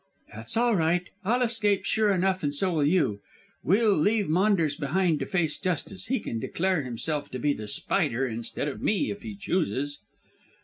"That's all right. I'll escape, sure enough, and so will you. We'll leave Maunders behind to face justice: he can declare himself to be The Spider instead of me if he chooses."